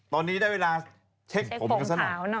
ตอนนี้ได้เวลาเช็คผมของสนับ